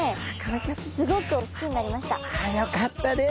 よかったです！